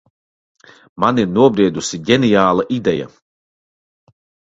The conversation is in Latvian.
Man ir nobriedusi ģeniāla ideja.